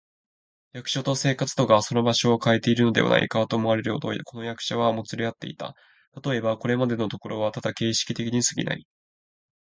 役所と生活とがその場所をかえているのではないか、と思われるほど、この両者はもつれ合っていた。たとえば、これまでのところはただ形式的にすぎない、